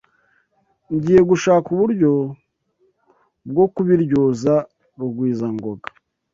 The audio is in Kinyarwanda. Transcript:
Ngiye gushaka uburyo bwo kubiryoza Rugwizangoga.